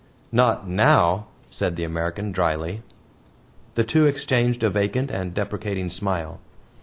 "Not NOW," said the American, dryly. The two exchanged a vacant and deprecating smile.